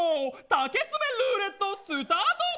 丈詰めルーレットスタート。